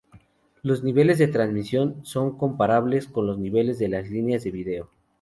Los niveles de transmisión son comparables con los niveles de las líneas de video.